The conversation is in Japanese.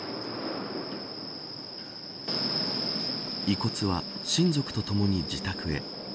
遺骨は親族とともに自宅へ。